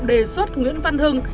đề xuất nguyễn văn hưng